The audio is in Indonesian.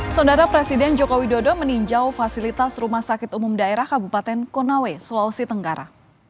saudara presiden joko widodo meninjau fasilitas rumah sakit umum daerah kabupaten konawe sulawesi tenggara